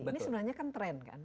ini sebenarnya kan tren kan